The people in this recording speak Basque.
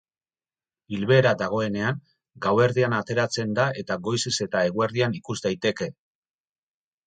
Ilbehera dagoenean, gauerdian ateratzen da eta goizez eta eguerdian ikus daiteke.